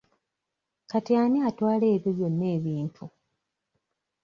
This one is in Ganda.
Kati ani atwala ebyo byonna ebintu?